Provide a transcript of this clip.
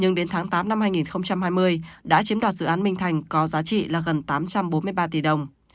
nhưng đến tháng tám năm hai nghìn hai mươi đã chiếm đoạt dự án minh thành có giá trị là gần tám trăm bốn mươi ba tỷ đồng